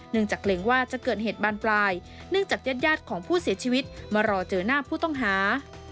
จากเกรงว่าจะเกิดเหตุบานปลายเนื่องจากญาติของผู้เสียชีวิตมารอเจอหน้าผู้ต้องหา